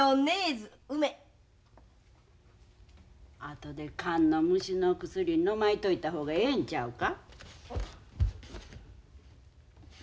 後でカンの虫の薬のまいといた方がええんちゃうか？